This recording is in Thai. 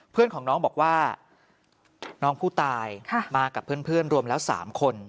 เพื่อนของน้องบอกว่าน้องผู้ตายมากับเพื่อนรวมแล้ว๓คน